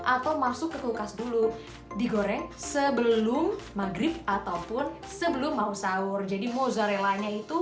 atau masuk ke kulkas dulu digoreng sebelum maghrib ataupun sebelum mau sahur jadi mozzarellanya itu